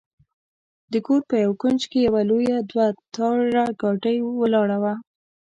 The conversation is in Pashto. د کور په یوه کونج کې یوه لویه دوه ټایره ګاډۍ ولاړه وه.